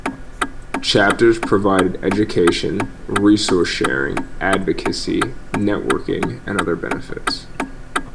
Chapters provide education, resource sharing, advocacy, networking and other benefits.